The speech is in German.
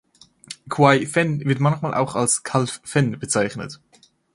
Quay Fen wird manchmal auch als „Calf Fen“ bezeichnet.